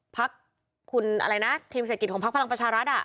พรรคธิบายทีมเศรษฐกิจพลังประชารัฐ